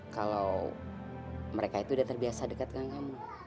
kalau mereka itu udah terbiasa dekat dengan kamu